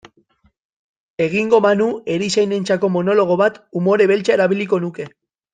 Egingo banu erizainentzako monologo bat, umore beltza erabiliko nuke.